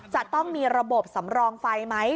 จะต้องมีระบบสำรองไฟไหม